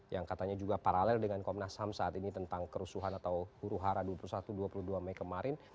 yang katanya juga paralel dengan komnas ham saat ini tentang kerusuhan atau huru hara dua puluh satu dua puluh dua mei kemarin